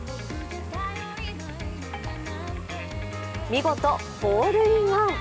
見事ホールインワン。